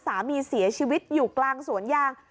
สามีเสียชีวิตอยู่กลางสวนยาง